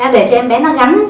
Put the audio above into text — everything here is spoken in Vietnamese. để cho em bé nó gắn